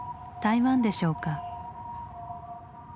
台湾でしょうか？